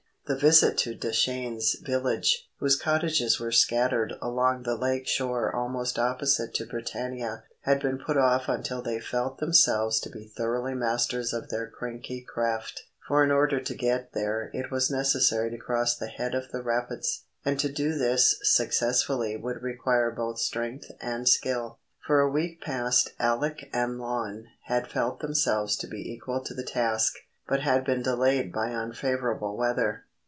The visit to Deschenes village, whose cottages were scattered along the lake shore almost opposite to Britannia, had been put off until they felt themselves to be thoroughly masters of their cranky craft; for in order to get there it was necessary to cross the head of the rapids, and to do this successfully would require both strength and skill. For a week past Alec and Lon had felt themselves to be equal to the task, but had been delayed by unfavourable weather.